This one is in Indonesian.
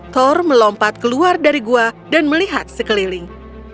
thor melompat keluar dari gua dan melihat sekeliling